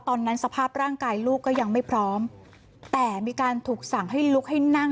ตอนนั้นสภาพร่างกายลูกก็ยังไม่พร้อมแต่มีการถูกสั่งให้ลุกให้นั่ง